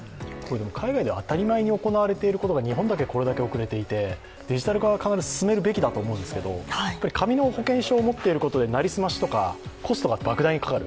海外では当たり前に行われていることが、日本がこれだけ遅れていて、デジタル化は必ず進めるべきだと思うんですけど紙の保険証を持ってることでなりすましとかコストが莫大にかかる。